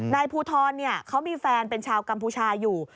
นายภูทรเขามีแฟนเป็นชาวกัมพูชาอยู่